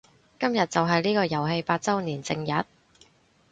今日就係呢個遊戲八周年正日